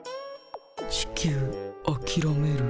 地球あきらめる？